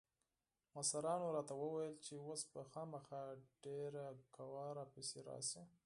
مشرانو راته وويل چې اوس به خامخا ډېره قوا را پسې راسي.